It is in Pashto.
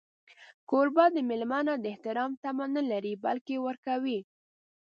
کوربه د مېلمه نه د احترام تمه نه لري، بلکې ورکوي.